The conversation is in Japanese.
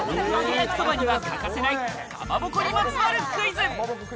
焼きそばには欠かせない、かまぼこにまつわるクイズ。